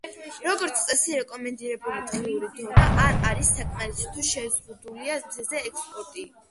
როგორც წესი, რეკომენდებული დღიური დოზა არ არის საკმარისი თუ შეზღუდულია მზეზე ექსპოზიცია.